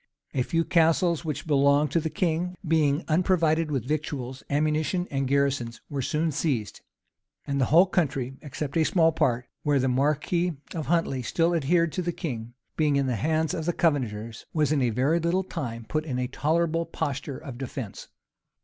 A few castles which belonged to the king, being unprovided with victuals, ammunition, and garrisons, were soon seized. And the whole country, except a small part, where the marquis of Huntley still adhered to the king, being in the hands of the Covenanters, was in a very little time put in a tolerable posture of defence.